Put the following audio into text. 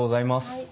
はい。